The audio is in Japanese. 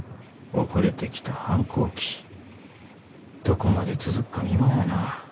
遅れてきた反抗期どこまで続くか見ものやな。